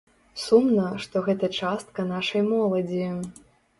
Сумна, што гэта частка нашай моладзі.